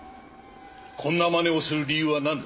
こんなまねをする理由はなんだ？